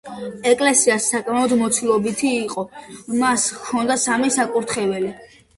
ეკლესიას საკმაოდ მოცულობითი იყო, მას ჰქონდა სამი საკურთხეველი.